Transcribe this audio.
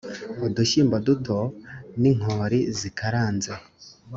udushyimbo duto n inkori zikaranze